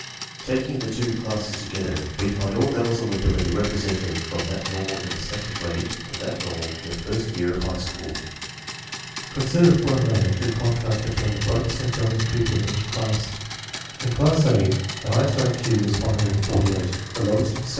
Taking the two classes together we find all levels of ability represented from that nor mal in the second grade to that normal in the first year of high school. Consider for a moment the contrast between the brightest and dullest pupil in each class. In class A the highest I Q is 148; the lowest, 78.